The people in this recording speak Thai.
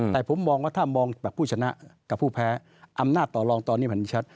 แต่ผมมองว่าถ้ามองแบบผู้ชนะกับผู้แพ้อำนาจต่อรองตอนนี้มันชัด